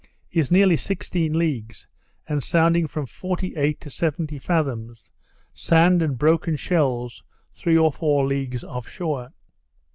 is nearly sixteen leagues, and sounding from forty eight to seventy fathoms, sand and broken shells three or four leagues off shore.